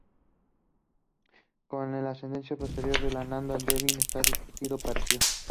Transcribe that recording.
Con la ascensión posterior del Nanda Devi, esta distinción pereció.